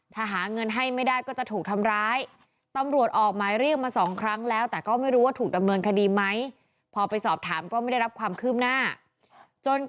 ถ้าหาเงินให้ไม่ได้ก็จะถูกทำร้ายจน